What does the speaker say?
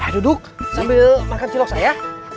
duduk sambil makan cilok saya